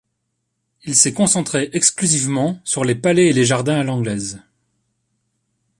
Il s'est concentré exclusivement sur les palais et les jardins à l'anglaise.